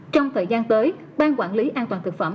trong thời gian tới ban quản lý an toàn thực phẩm